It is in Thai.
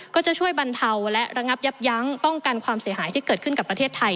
ก็จะช่วยบรรเทาและระงับยับยั้งป้องกันความเสียหายที่เกิดขึ้นกับประเทศไทย